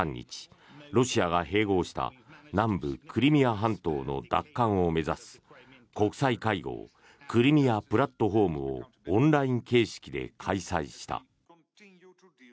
ロシアが併合した南部クリミア半島の奪還を目指す国際会合クリミア・プラットフォームをオンライン形式で開催した。